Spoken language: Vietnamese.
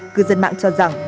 cư dân mạng cho rằng